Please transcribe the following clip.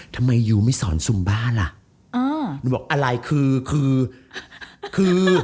ทำไมยูไม่สอนซุมบ้าล่ะอ่ายูบอกอะไรคือคือคือ